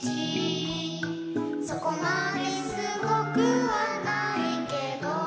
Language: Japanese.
「そこまですごくはないけど」